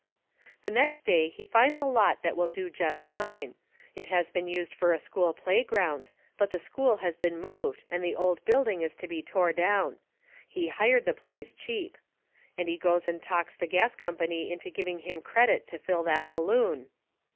The next day he finds a lot that will do jest fine. It has been used fur a school playgrounds, but the school has been moved and the old building is to be tore down. He hired the place cheap. And he goes and talks the gas company into giving him credit to fill that balloon.